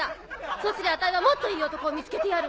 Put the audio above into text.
そうすりゃあたいはもっといい男を見つけてやる。